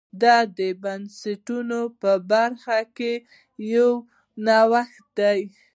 دا د بنسټونو په برخه کې یو نوښت دی.